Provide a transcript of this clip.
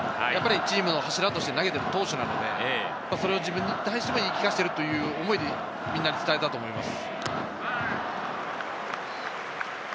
チームの柱として投げてる投手なので、自分に対しても言い聞かせている、その思いをみんなに伝えたと思います。